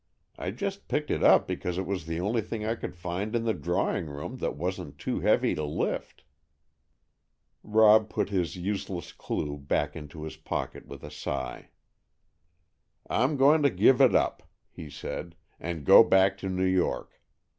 I just picked it up because it was the only thing I could find in the drawing room that wasn't too heavy to lift." Rob put his useless clue back into his pocket with a sigh. "I'm going to give it up," he said, "and go back to New York.